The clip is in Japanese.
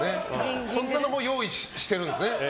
そんなのも用意してるんですね。